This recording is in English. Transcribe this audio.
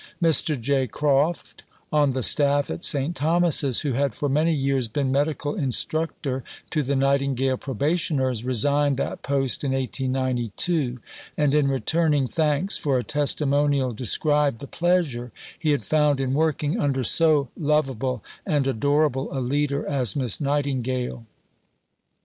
Mr. J. Croft, on the staff at St. Thomas's, who had for many years been medical instructor to the Nightingale Probationers, resigned that post in 1892, and in returning thanks for a testimonial described the pleasure he had found in working under "so lovable and adorable a leader as Miss Nightingale."